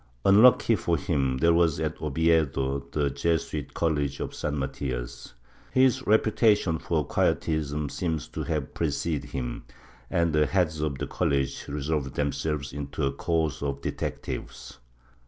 Unluckily for him there was at Oviedo the Jesuit college of San Mathias; his reputation for Quietism seems to have preceded him, and the heads of the college resolved themselves into a corps of detectives.